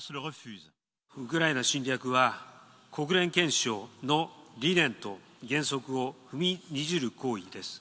ウクライナ侵略は、国連憲章の理念と原則を踏みにじる行為です。